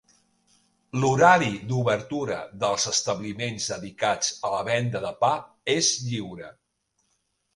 L'horari d'obertura dels establiments dedicats a la venda de pa és lliure.